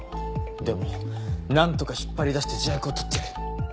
でもなんとか引っ張り出して自白を取ってやる！